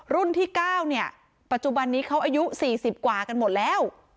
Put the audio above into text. รุ่นที่๙เนี่ยปัจจุบันนี้เขาอายุ๔๐กว่ากันหมดแล้ว